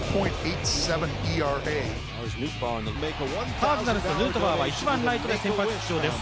カージナルス、ヌートバーは１番・ライトで先発出場です。